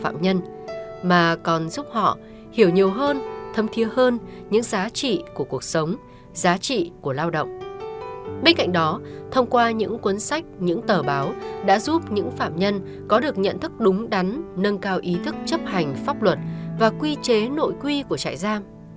bên cạnh đó thông qua những cuốn sách những tờ báo đã giúp những phạm nhân có được nhận thức đúng đắn nâng cao ý thức chấp hành pháp luật và quy chế nội quy của trại giam